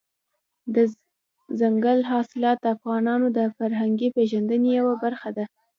دځنګل حاصلات د افغانانو د فرهنګي پیژندنې یوه برخه ده.